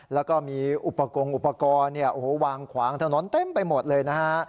แล้วก็มีอุปกรณ์อุปกรณ์วางขวางถนนเต็มไปหมดเลยนะฮะ